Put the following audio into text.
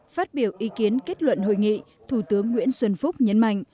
phát biểu ý kiến kết luận hội nghị thủ tướng nguyễn xuân phúc nhấn mạnh